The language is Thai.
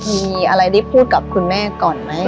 มีอะไรได้พูดกับคุณแม่ก่อนไหม